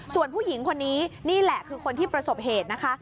ส่วนผู้หญิงคนนี้นี่แหละคือคนที่ประสบเหตุนะคะ